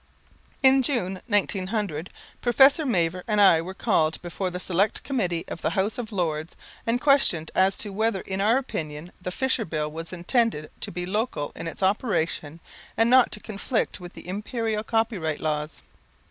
In June, 1900, Professor Mavor and I were called before the Select Committee of the House of Lords and questioned as to whether in our opinion the Fisher Bill was intended to be local in its operation and not to conflict with the Imperial Copyright Laws.